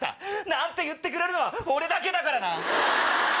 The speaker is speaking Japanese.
なんて言ってくれるのは俺だけだからな！